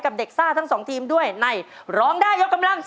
เสื้อคนละท่ำเป็นฝ่ายชนะ